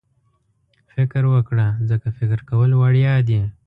فکر وکړه ځکه فکر کول وړیا دي.